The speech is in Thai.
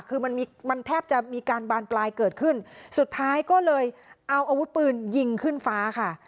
คือมันมีมันแทบจะมีการบานปลายเกิดขึ้นสุดท้ายก็เลยเอาอาวุธปืนยิงขึ้นฟ้าค่ะ